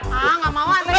enggak mau anterin